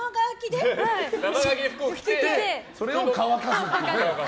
服を着て、それを乾かす。